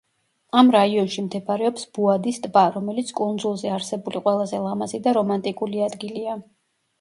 ამ რაიონში მდებარეობს ბუადის ტბა, რომელიც კუნძულზე არსებული ყველაზე ლამაზი და რომანტიკული ადგილია.